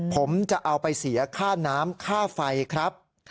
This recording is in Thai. ผมจะเอาไปเสียค่าน้ำค่าไฟครับ